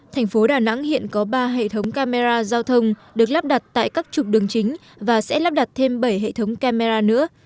thành phố đà nẵng hiện có ba hệ thống camera giao thông được lắp đặt tại các trục đường chính và sẽ lắp đặt thêm bảy hệ thống camera nữa